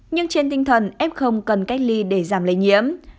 nhưng trên tinh thần f cần cách ly để giảm lây nhiễm